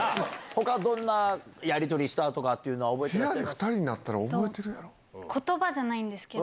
ほか、どんなやり取りしたとかっていうのは覚えてらっしゃいますか？